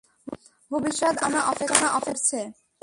ভবিষ্যৎ আমাদের জন্য অপেক্ষা করছে!